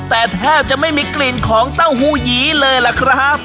แต่แทบจะไม่มีกลิ่นของเต้าหู้หยีเลยล่ะครับ